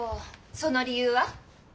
その理由は？